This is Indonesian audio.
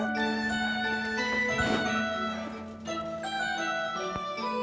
saya lihatnya sudah mati